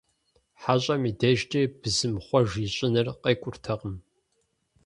ХьэщӀэм и дежкӀи бысымхъуэж ищӀыныр къекӀуртэкъым.